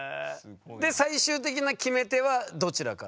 で最終的な決め手はどちらからですか？